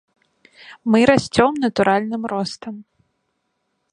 Мы расцём натуральным ростам.